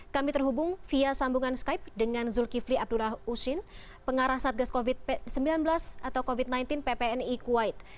kami terhubung via sambungan skype dengan zulkifli abdullah usin pengarah satgas covid sembilan belas ppni kuwait